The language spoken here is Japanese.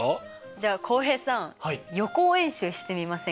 じゃあ浩平さん予行演習してみませんか？